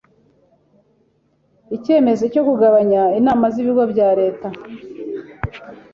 icyemezo cyo kugabanya inama z’ibigo bya leta